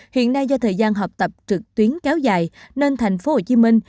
hiện nay do thời gian học tập trực tuyến kéo dài nên thành phố hồ chí minh